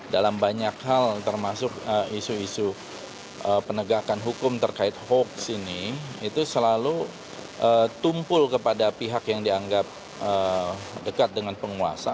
dalam banyak hal termasuk isu isu penegakan hukum terkait hoax ini itu selalu tumpul kepada pihak yang dianggap dekat dengan penguasa